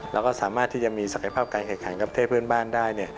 แล้วก็สามารถที่จะมีศักยภาพการแข่งขันกับประเทศเพื่อนบ้านได้